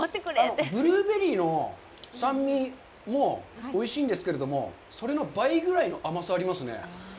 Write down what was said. ブルーベリーの酸味もおいしいんですけれども、それの倍ぐらいの甘さがありますね。